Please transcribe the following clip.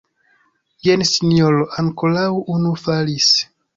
Jen sinjoro, ankoraŭ unu falis!